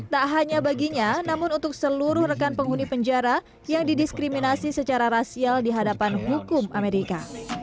tak hanya baginya namun untuk seluruh rekan penghuni penjara yang didiskriminasi secara rasial di hadapan hukum amerika